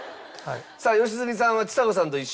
さあ良純さんはちさ子さんと一緒。